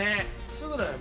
すぐだよね。